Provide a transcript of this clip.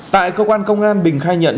tại cơ quan công an bình khai nhận